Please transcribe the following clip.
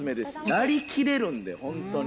なりきれるんで、本当に。